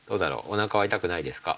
おなかは痛くないですか？